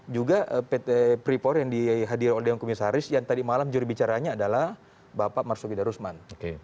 juga pt freeport yang dihadirkan oleh dewan komisaris yang tadi malam juri bicaranya adalah bapak marsupi darussman